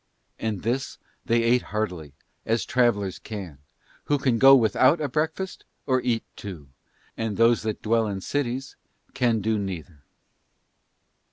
And this meant they ate heartily, as travellers can, who can go without a breakfast or eat two; and those who dwell in cities can do neither.